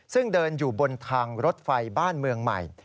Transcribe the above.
ซึ่งเดินอยู่บนทางรถไฟบ้านเมืองใหม่